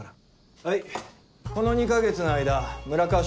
はいこの２か月の間村川署